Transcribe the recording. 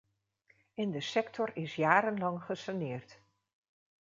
In de sector is jarenlang gesaneerd.